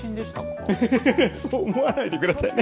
そう思わないでくださいね。